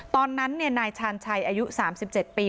ตอนนั้นนายชาญชัยอายุ๓๗ปี